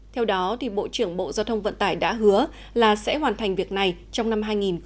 theo đó bộ trưởng bộ giao thông vận tải đã hứa là sẽ hoàn thành việc này trong năm hai nghìn hai mươi